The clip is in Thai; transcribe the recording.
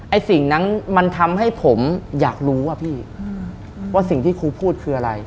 สิ่งนั้นมันทำให้ผมอยากรู้อะพี่ว่าสิ่งที่ครูพูดคืออะไร